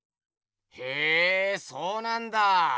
へえそうなんだ。